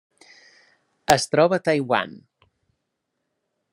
Es troba a Taiwan.